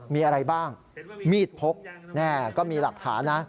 มีอะไรบ้างมีดพกแน่ก็มีหลักฐานนะ